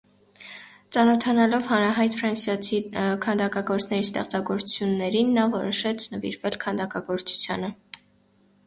Ծանոթանալով հանրահայտ ֆրանսիացի քանդակագործների ստեղծագործություններին, նա որոշեց նվիրվել քանդակագործությանը։